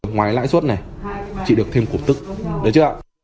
ngoài lãi suất này chỉ được thêm cụ tức